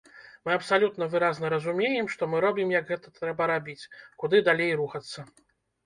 Мы абсалютна выразна разумеем, што мы робім, як гэта трэба рабіць, куды далей рухацца.